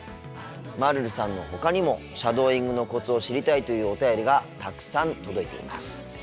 まるるさんのほかにもシャドーイングのコツを知りたいというお便りがたくさん届いています。